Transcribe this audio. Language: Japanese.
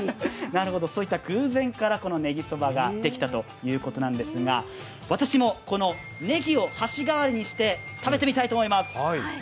なるほど、そういった偶然からこのねぎそばができたということですが、私もねぎを端代わりにして食べてみたいと思います。